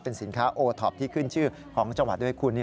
สินค้าโอท็อปที่ขึ้นชื่อของจังหวัดด้วยคุณ